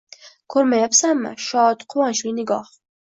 Ko’rmayapsanmi, shod, quvonchli nigoh